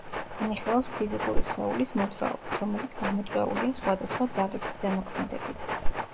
განიხილავს ფიზიკური სხეულის მოძრაობას, რომელიც გამოწვეულია სხვადასხვა ძალების ზემოქმედებით.